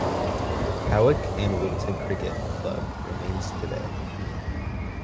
Hawick and Wilton Cricket Club remains today.